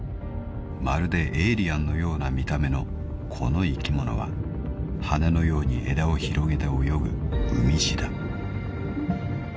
［まるでエイリアンのような見た目のこの生き物は羽のように枝を広げて泳ぐウミシダ］